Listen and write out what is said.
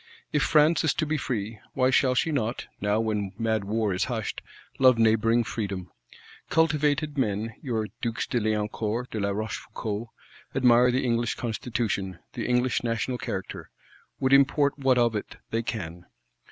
If France is to be free, why shall she not, now when mad war is hushed, love neighbouring Freedom? Cultivated men, your Dukes de Liancourt, de la Rochefoucault admire the English Constitution, the English National Character; would import what of it they can.